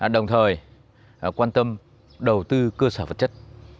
đồng thời quan tâm đầu tư cơ sở vật chất